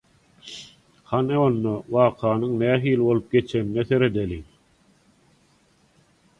Hany onda wakanyň nähili bolup geçenine seredeliň.